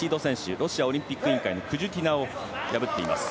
ロシアオリンピック委員会のクジュティナを破っています。